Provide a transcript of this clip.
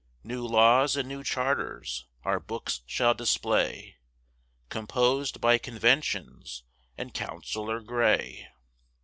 New laws and new charters our books shall display, Composed by conventions and Counsellor Grey.